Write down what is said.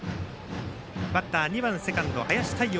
バッター、２番セカンド、林大遥。